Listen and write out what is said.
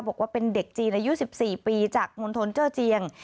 บอกว่าเป็นเด็กจีนอายุ๑๔ปีจากมณฑลเจอร์เจียง